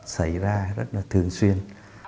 xảy ra rất là thường xuyên